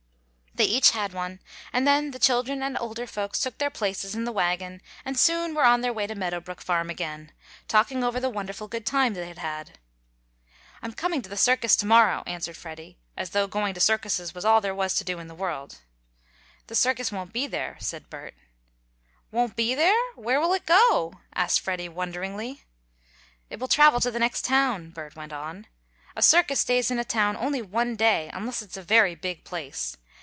They each had one, and then the children and older folks took their places in the wagon, and soon were on their way to Meadow Brook farm again, talking over the wonderful good time they had had. "I'm coming to the circus to morrow," announced Freddie, as though going to circuses was all there was to do in this world. "The circus won't be there," said Bert. "Won't be there? Where will it go?" asked Freddie, wonderingly. "It will travel to the next town," Bert went on. "A circus stays in a town only one day, unless it's a very big place.